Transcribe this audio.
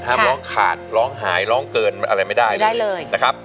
ห้ามร้องขาดร้องหายร้องเกินอะไรไม่ได้เลย